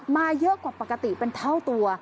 มาเยอะกว่าปกติเป็นเท่าตัว